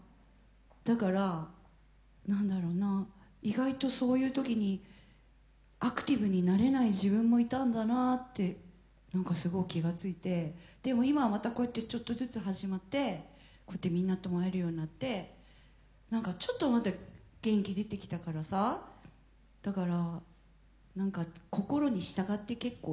だから何だろうな意外とそういう時にアクティブになれない自分もいたんだなって何かすごく気がついてでも今はまたこうやってちょっとずつ始まってこうやってみんなとも会えるようになって何かちょっとまた元気出てきたからさだから何か心に従って結構いる。